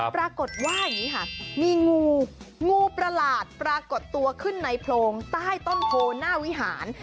ปรากฏว่าอย่างนี้ค่ะมีงูงูประหลาดปรากฏตัวขึ้นในโพรงใต้ต้นโพหน้าวิหาร